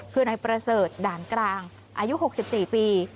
คือนายประเสริฐด่านกลางอายุหกสิบสี่ปี